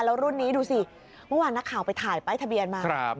แล้วรุ่นนี้ดูสิเมื่อวานนักข่าวไปถ่ายป้ายทะเบียนมา